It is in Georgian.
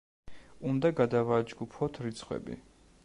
უნდა გადავაჯგუფოთ რიცხვები.